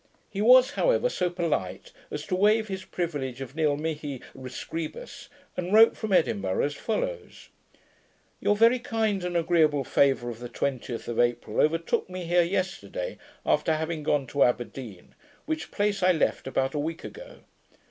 He was, however, so polite as to wave his privilege of nil mihi rescribus, and wrote from Edinburgh, as follows: Your very kind and agreeable favour of the 20th of April overtook me here yesterday, after having gone to Aberdeen, which place I left about a week ago.